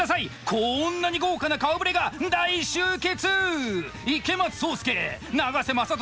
こんなに豪華な顔ぶれが大集結！